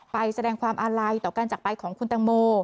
ไปแสดงความอะไล่ต่อกันจากไปของคุณตะโม